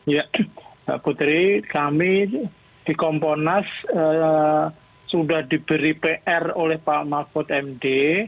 ya mbak putri kami di komponas sudah diberi pr oleh pak mahfud md